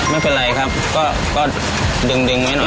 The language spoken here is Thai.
ไม่เป็นไรครับก็ดึงไว้หน่อย